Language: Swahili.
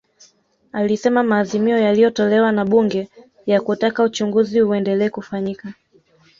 Alisema maazimio yaliyotolewa na Bunge ya kutaka uchunguzi uendelee kufanyika